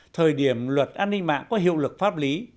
thời điểm luật an ninh mạng có hiệu lực pháp lý